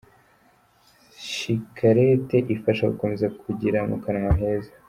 Shikarete ifasha gukomeza kugira mu kanwa heza.